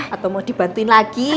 atau mau dibantuin lagi